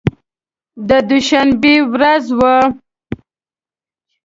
د دوشنبې ورځ وه.